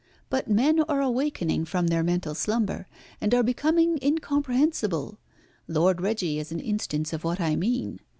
But men are awakening from their mental slumber, and are becoming incomprehensible. Lord Reggie is an instance of what I mean.